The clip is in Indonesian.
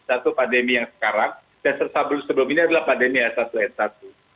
satu pandemi yang sekarang dan sebelum ini adalah pandemi yang satu